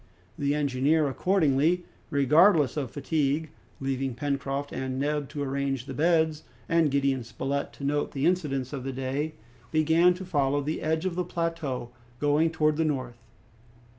The engineer, accordingly, regardless of fatigue, leaving Pencroft and Neb to arrange the beds, and Gideon Spilett to note the incidents of the day, began to follow the edge of the plateau, going towards the north.